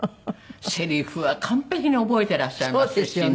せりふは完璧に覚えてらっしゃいますしね。